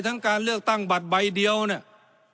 ทั้งการเลือกตั้งบัตรใบเดียวเนี่ย